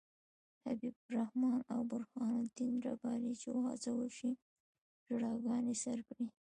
حبیب الرحمن او برهان الدین رباني یې وهڅول چې ژړاګانې سر کړي.